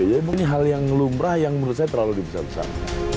jadi mungkin hal yang lumrah yang menurut saya terlalu dibesarkan